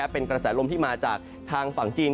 เป็นกระแสลมที่มาจากทางฝั่งจีน